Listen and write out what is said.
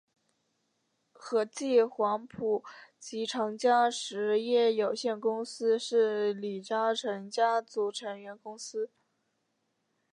和记黄埔及长江实业有限公司是李嘉诚家族成员公司。